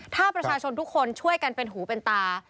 ถ้าประชาชนทุกคนช่วยกันเป็นหูเป็นตา